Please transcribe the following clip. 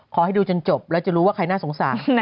ขอให้ดูจนจบแล้วจะรู้ว่าใครน่าสงสาร